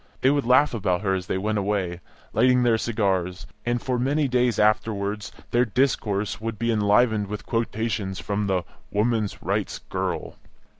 They would laugh about her as they went away, lighting their cigars, and for many days afterwards their discourse would be enlivened with quotations from the "women's rights girl."